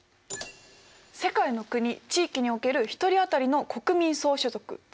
世界の国・地域における１人あたりの国民総所得ＧＮＩです。